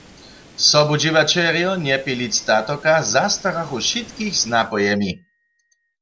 Sobudźěłaćerjo Njepilic statoka zastarachu wšitkich z napojemi.